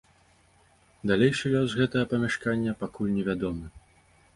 Далейшы лёс гэтага памяшкання пакуль невядомы.